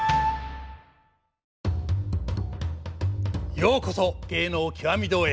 ようこそ「芸能きわみ堂」へ。